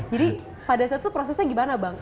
jadi pada saat itu prosesnya gimana bang